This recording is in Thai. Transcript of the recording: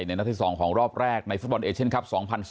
นัดที่๒ของรอบแรกในฟุตบอลเอเชียนคลับ๒๐๑๙